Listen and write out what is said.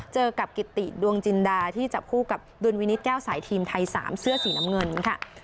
เจอกับกิติดวงจินดาที่จับคู่กับดุลวินิตแก้วสายทีมไทย๓เสื้อสีน้ำเงินค่ะ